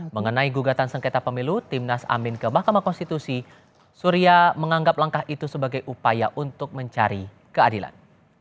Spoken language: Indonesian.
mengenai gugatan sengketa pemilu timnas amin ke mahkamah konstitusi surya menganggap langkah itu sebagai upaya untuk mencari keadilan